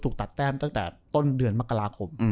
ตัดแต้มตั้งแต่ต้นเดือนมกราคม